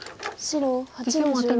白８の十六。